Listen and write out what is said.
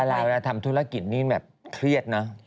แล้วทำธุรกิจนี่แบบเครียดเนอะ